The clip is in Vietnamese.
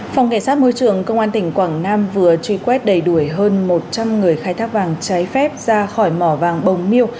phòng cảnh sát môi trường công an tỉnh quảng nam vừa truy quét đầy đủ hơn một trăm linh người khai thác vàng trái phép ra khỏi mỏ vàng bồng miêu